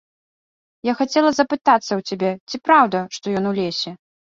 Я хацела запытацца ў цябе, ці праўда, што ён у лесе.